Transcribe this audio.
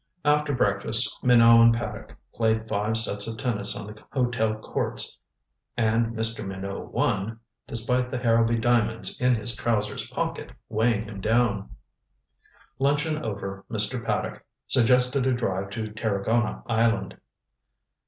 After breakfast Minot and Paddock played five sets of tennis on the hotel courts. And Mr. Minot won, despite the Harrowby diamonds in his trousers pocket, weighing him down. Luncheon over, Mr. Paddock suggested a drive to Tarragona Island.